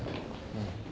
うん。